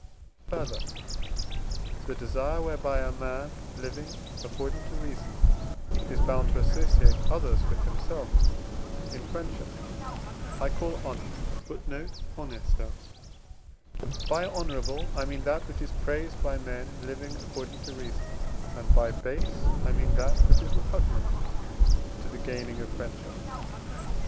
Further, the desire, whereby a man living according to reason is bound to associate others with himself in friendship, I call honour; by honourable I mean that which is praised by men living according to reason, and by base I mean that which is repugnant to the gaining of friendship.